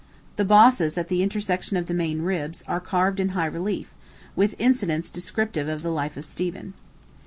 The bosses, at the intersections of the main ribs, are carved in high relief, with incidents descriptive of the life of Stephen.